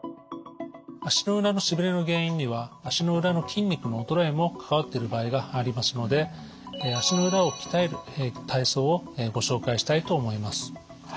足の裏のしびれの原因には足の裏の筋肉の衰えも関わってる場合がありますので足の裏を鍛える体操をご紹介したいと思います。